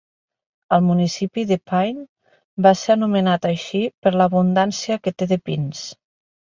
El municipi de Pine va ser anomenat així per l'abundància que té de pins.